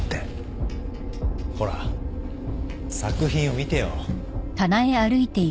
ほら作品を見てよ。